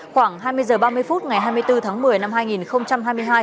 khoảng hai mươi h ba mươi phút ngày hai mươi bốn tháng một mươi năm hai nghìn hai mươi hai